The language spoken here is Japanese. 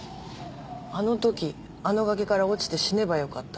「あの時あの崖から落ちて死ねばよかった」